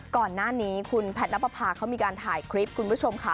ก่อนหน้านี้คุณแพทย์นับประพาเขามีการถ่ายคลิปคุณผู้ชมค่ะ